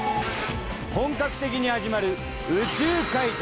本格的に始まる宇宙開拓。